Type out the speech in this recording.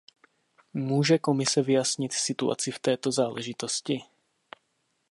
Může Komise vyjasnit situaci v této záležitosti?